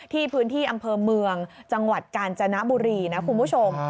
ที่พื้นที่อำเภอเมืองจังหวัดกาญจนบุรีนะคุณผู้ชม